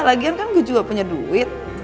lagian kan gue juga punya duit